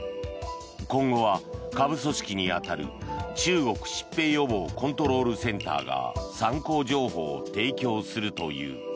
今後は下部組織に当たる中国疾病予防コントロールセンターが参考情報を提供するという。